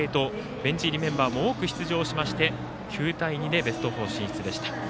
ベンチ入りメンバーも多く出場しまして９対２でベスト４進出でした。